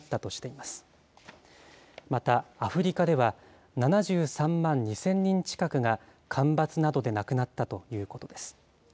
また、アフリカでは７３万２０００人近くが干ばつなどで亡くなったということです。